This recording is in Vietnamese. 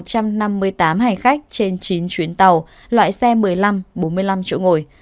một trăm năm mươi tám hành khách trên chín chuyến tàu loại xe một mươi năm bốn mươi năm chỗ ngồi